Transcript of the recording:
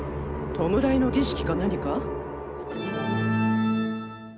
弔いの儀式か何か？